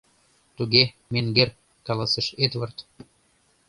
— Туге, менгер, — каласыш Эдвард.